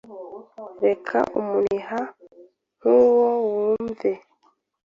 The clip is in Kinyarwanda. Reka umuniha nk'uwo wumve